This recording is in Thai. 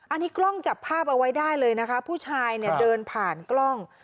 อันนี้กล้องจับภาพเอาไว้ได้เลยนะคะผู้ชายเนี่ยเดินผ่านกล้อง